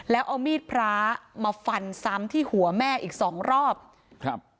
แล้วเอามีดพระมาฟันซ้ำที่หัวแม่อีกสองรอบครับ